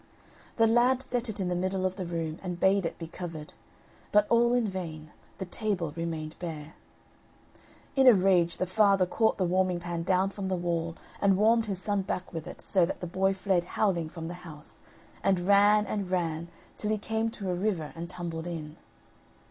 The lad set it in the middle of the room, and bade it be covered; but all in vain, the table remained bare. In a rage, the father caught the warming pan down from the wall and warmed his son's back with it so that the boy fled howling from the house, and ran and ran till he came to a river and tumbled in.